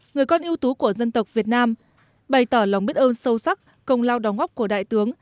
người con ưu tú của dân tộc việt nam bày tỏ lòng biết ơn sâu sắc công lao đóng góp của đại tướng